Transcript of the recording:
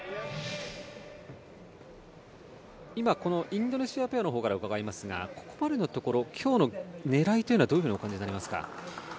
今、このインドネシアペアから伺いますがここまでのところ今日の狙いというのはどういうふうにお感じになりますか。